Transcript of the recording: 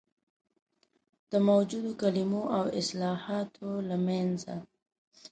د موجودو کلمو او اصطلاحاتو له منځه.